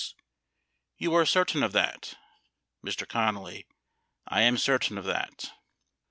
You are certain of that ? Mr. Connally. I am certain of that.